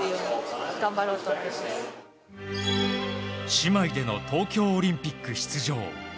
姉妹での東京オリンピック出場。